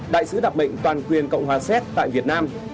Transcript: đại sứ đặc mệnh toàn quyền cộng hòa séc tại việt nam